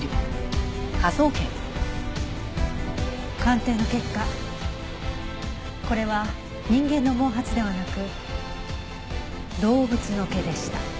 鑑定の結果これは人間の毛髪ではなく動物の毛でした。